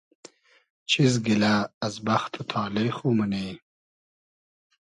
چیز گیلۂ از بئخت و تالې خو مونی؟